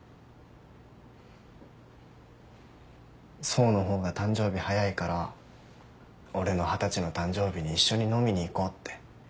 想の方が誕生日早いから俺の二十歳の誕生日に一緒に飲みに行こうって。